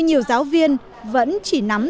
nhiều giáo viên vẫn chỉ nắm